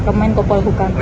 kemain kopal hukum